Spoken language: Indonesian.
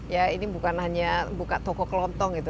ya ini bukan hanya buka toko kelontong gitu